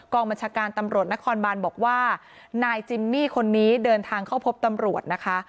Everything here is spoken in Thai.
บัญชาการตำรวจนครบานบอกว่านายจิมมี่คนนี้เดินทางเข้าพบตำรวจนะคะ